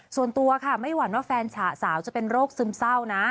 ส่วนตัวค่ะไม่หวั่นว่าแฟนฉะสาวจะเป็นโรคซึมเศร้านะ